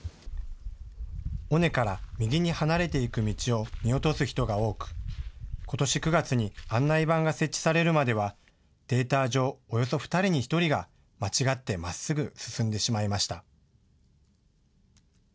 尾根から右に離れていく道を見落とす人が多く、ことし９月に案内板が設置されるまではデータ上、およそ２人に１人が間違ってまっすぐ進んでしまいました。